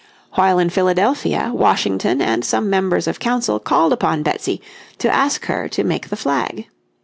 While in Philadelphia Washington and some members of council called upon Betsy to ask her to make the flag.